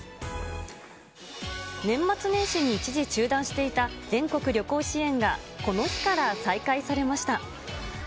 年末年始に一時中断していた全国旅行支援が、この日から再開されました。